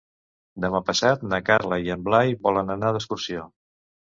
Demà passat na Carla i en Blai volen anar d'excursió.